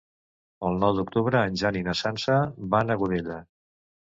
El nou d'octubre en Jan i na Sança van a Godella.